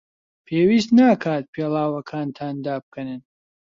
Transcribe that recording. پێویست ناکات پێڵاوەکانتان دابکەنن.